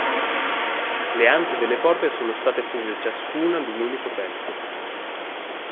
Le ante delle porte sono state fuse ciascuna da un unico pezzo.